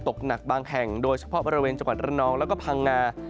ตกหนักบางแห่งโดยเฉพาะบริเวณจังหวัดระนองแล้วก็พังงา